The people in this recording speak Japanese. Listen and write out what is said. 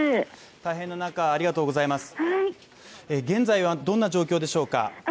現在はどんな状況でしょうか？